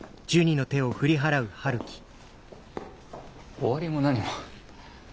終わりも何も。